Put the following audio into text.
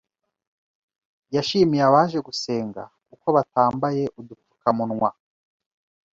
yashimiye abaje gusenga kuko batambaye udupfukamunwa